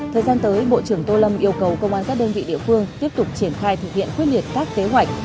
thời gian tới bộ trưởng tô lâm yêu cầu công an các đơn vị địa phương tiếp tục triển khai thực hiện quyết liệt các kế hoạch